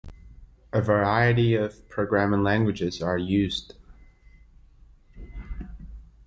A variety of programming languages are used.